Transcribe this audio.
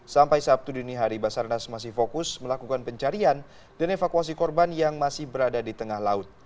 sampai sabtu dini hari basarnas masih fokus melakukan pencarian dan evakuasi korban yang masih berada di tengah laut